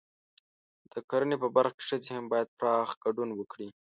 د کرنې په برخه کې ښځې هم باید پراخ ګډون وکړي.